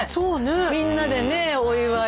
みんなでねお祝い。